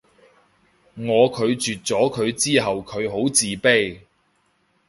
我拒絕咗佢之後佢好自卑